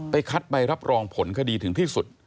คัดใบรับรองผลคดีถึงที่สุด